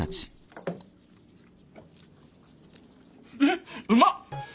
んっうまっ。